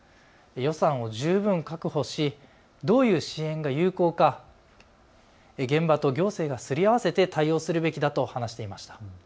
予算を十分に確保しどういう支援が有効か、現場と行政がすり合わせて対応するべきだと話していました。